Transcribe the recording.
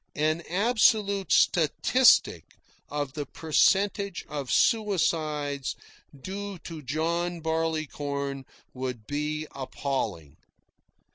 An absolute statistic of the percentage of suicides due to John Barleycorn would be appalling.